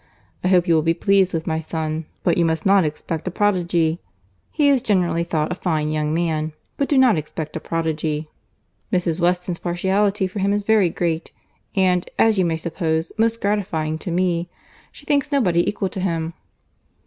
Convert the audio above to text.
I hope you will be pleased with my son; but you must not expect a prodigy. He is generally thought a fine young man, but do not expect a prodigy. Mrs. Weston's partiality for him is very great, and, as you may suppose, most gratifying to me. She thinks nobody equal to him."